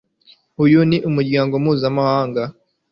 Uyu ni umuryango mpuzamahanga.